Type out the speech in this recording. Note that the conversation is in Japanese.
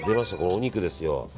お肉ですよ。